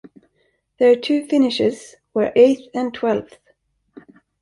Their two finishes were eighth and twelfth.